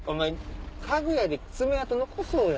家具屋で爪痕残そうや！